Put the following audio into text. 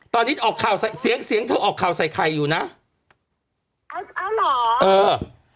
ตอนนี้ออกข่าวใส่เสียงเสียงเธอออกข่าวใส่ไข่อยู่น่ะเอาเอาเหรอเออ